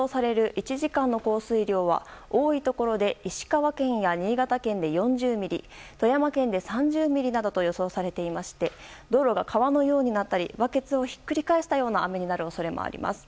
１時間の降水量は多いところで石川県や新潟県で４０ミリ富山県で３０ミリなどと予想されていまして道路が川のようになったりバケツをひっくり返したような雨になる恐れもあります。